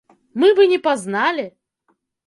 Мы б і не пазналі!